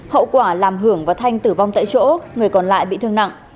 hậu quả làm hưởng và thanh tử vong tại chỗ người còn lại bị thương nặng